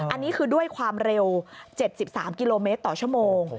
อันนี้คือด้วยความเร็ว๗๓กิโลเมตรต่อชั่วโมง